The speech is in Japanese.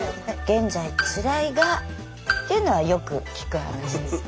「現在辛いが」っていうのはよく聞く話ですよね。